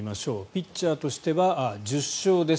ピッチャーとしては１０勝です。